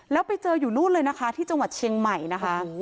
แล้วไปเจออยู่นู่นเลยนะคะที่จังหวัดเชียงใหม่นะคะ